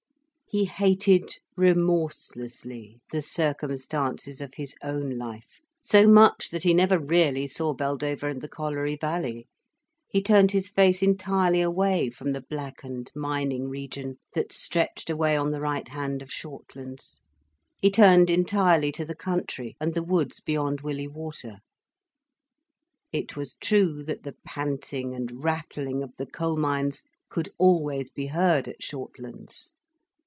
He hated remorselessly the circumstances of his own life, so much that he never really saw Beldover and the colliery valley. He turned his face entirely away from the blackened mining region that stretched away on the right hand of Shortlands, he turned entirely to the country and the woods beyond Willey Water. It was true that the panting and rattling of the coal mines could always be heard at Shortlands.